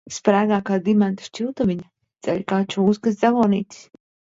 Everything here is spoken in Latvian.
Sprēgā kā dimanta šķiltaviņa, dzeļ kā čūskas dzelonītis.